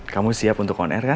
kamu siap untuk on air kan